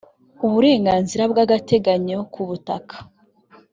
uburenganzira bw agateganyo ku butaka